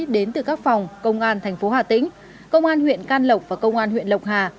đến từ các phòng công an thành phố hà tĩnh công an huyện can lộc và công an huyện lộc hà